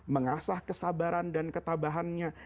mengasah kesabaran dan ketabahannya